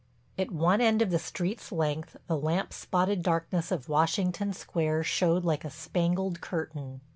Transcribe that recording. At one end of the street's length the lamp spotted darkness of Washington Square showed like a spangled curtain.